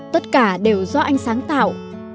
tất cả đều do anh sáng tạo